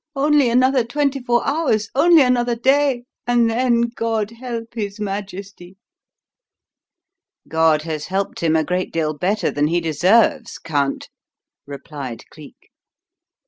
Only another twenty four hours only another day and then God help his Majesty!" "God has helped him a great deal better than he deserves, Count," replied Cleek.